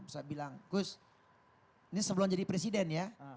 saya bilang gus ini sebelum jadi presiden ya